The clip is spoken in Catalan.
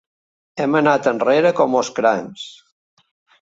Hem anat enrere com els crancs.